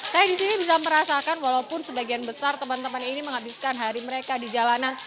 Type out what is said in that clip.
saya di sini bisa merasakan walaupun sebagian besar teman teman ini menghabiskan hari mereka di jalanan